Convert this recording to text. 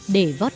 để vót trà